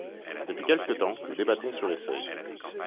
Depuis quelque temps, nous débattons sur les seuils.